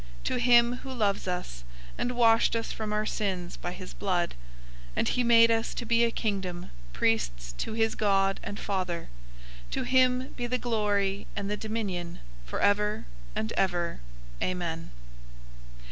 To him who loves us, and washed us from our sins by his blood; 001:006 and he made us to be a Kingdom, priests{Exodus 19:6; Isaiah 61:6} to his God and Father; to him be the glory and the dominion forever and ever. Amen.